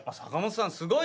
すごいね。